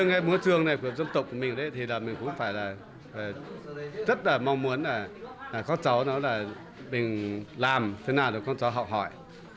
ngay múa chuông này của dân tộc của mình thì mình cũng phải là rất là mong muốn là các cháu nói là mình làm thế nào để con cháu học hỏi